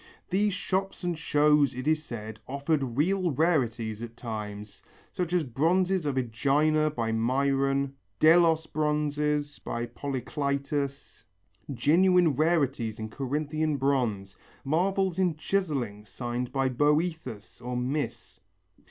These shops and shows, it is said, offered real rarities at times, such as bronzes of Ægina by Myron, Delos bronzes by Polycletus, genuine rarities in Corinthian bronze, marvels in chiselling signed by Boethus or Mys.